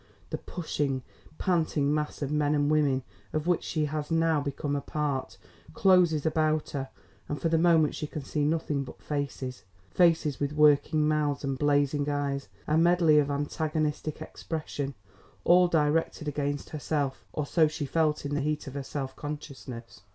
The pushing, panting mass of men and women of which she has now become a part, closes about her, and for the moment she can see nothing but faces, faces with working mouths and blazing eyes, a medley of antagonistic expression, all directed against herself; or so she felt in the heat of her self consciousness.